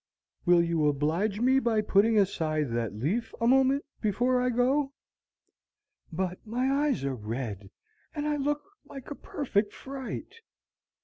"Will you oblige me by putting aside that leaf a moment before I go?" "But my eyes are red, and I look like a perfect fright."